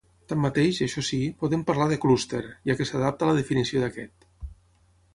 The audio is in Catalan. Tanmateix, això si, podem parlar de clúster, ja que s'adapta a la definició d'aquest.